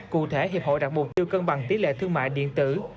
cụ thể hiệp hội đặt mục tiêu cân bằng tỷ lệ thương mại điện tử